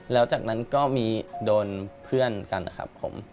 แล้วจากนั้นก็มีโดนเพื่อนกันนะครับผม